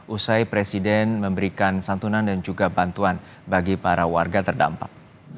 usai presiden memberikan santunan dan juga bantuan bagi para warga terdampak